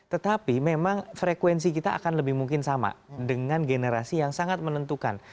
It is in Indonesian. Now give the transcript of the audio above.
tetapi memang frekuensi kita akan lebih mungkin sama dengan generasi yang sangat menentukan